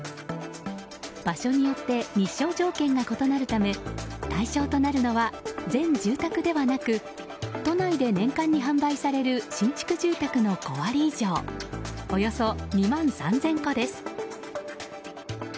場所によって日照条件が異なるため対象となるのは全住宅ではなく都内で年間に販売される新築住宅の５割以上およそ２万３０００戸です。